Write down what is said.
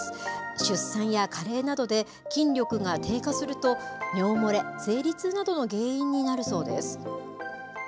出産や加齢などで、筋力が低下すると、尿漏れ、生理痛などの原因になるそうです。